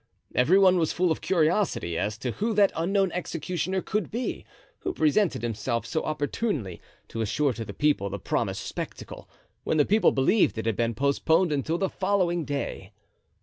Every one was full of curiosity as to who that unknown executioner could be who presented himself so opportunely to assure to the people the promised spectacle, when the people believed it had been postponed until the following day.